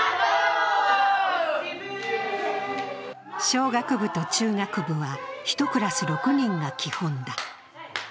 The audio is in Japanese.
小学部と中学部は１クラス６人が基本だ。